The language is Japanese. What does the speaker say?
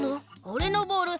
おれのボール